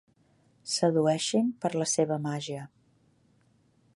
Sedueixin per la seva màgia.